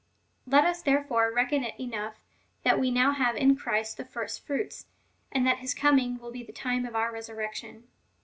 Let us there fore reckon it enough, that we now have in Christ the first fruits,^ and that his coming^ will be the time of our resur rection.